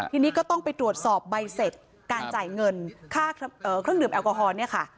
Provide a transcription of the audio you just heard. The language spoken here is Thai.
ทีนี้ก็ต้องไปตรวจสอบใบเสร็จการจ่ายเงินค่าเครื่องดื่มแอลกอฮอลเนี่ยค่ะ